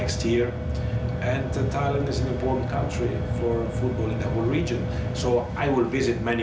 จะรู้ขึ้นมีอะไรจะเป็นชีวิตสำคัญ